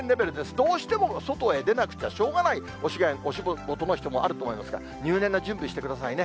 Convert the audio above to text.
どうしても外へ出なくちゃしょうがない、お仕事の人もあると思いますが、入念な準備してくださいね。